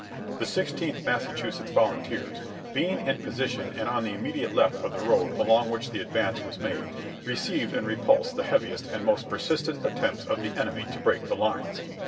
The Sixteenth Massachusetts Volunteers being in position and on the immediate left of the road along which the advance was made, received and repulsed the heaviest and most persistent attempts of the enemy to break the lines.